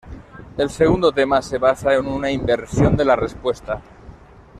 El segundo tema se basa en una inversión de la respuesta.